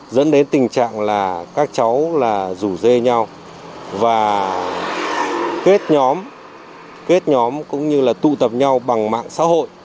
dẫn đến tình trạng là các cháu là rủ dê nhau và kết nhóm kết nhóm cũng như là tụ tập nhau bằng mạng xã hội